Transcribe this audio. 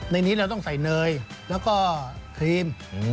ในนี้เราต้องใส่เนยแล้วก็ครีม